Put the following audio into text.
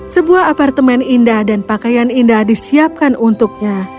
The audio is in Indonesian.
sebuah apartemen indah dan pakaian indah disiapkan untuknya